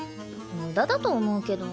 無駄だと思うけど。